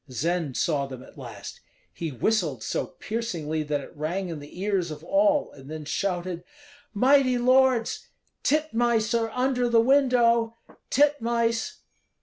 Zend saw them at last; he whistled so piercingly that it rang in the ears of all, and then shouted, "Mighty lords! titmice are under the window, titmice!"